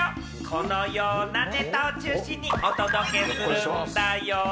このようなネタを中心にお届けするんだよ。